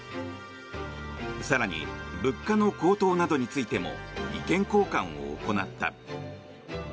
更に、物価の高騰などについても意見交換を行った。